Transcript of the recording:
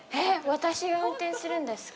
私が運転するんですか？